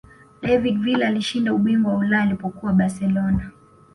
david villa alishinda ubingwa wa ulaya alipokuwa barcelona